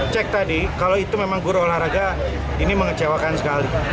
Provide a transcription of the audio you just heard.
cek tadi kalau itu memang guru olahraga ini mengecewakan sekali